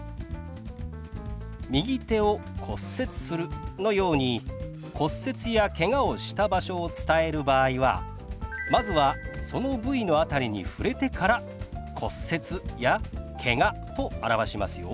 「右手を骨折する」のように骨折やけがをした場所を伝える場合はまずはその部位の辺りに触れてから「骨折」や「けが」と表しますよ。